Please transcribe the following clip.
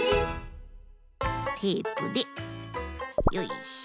テープでよいしょ。